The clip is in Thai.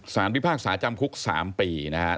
พิพากษาจำคุก๓ปีนะครับ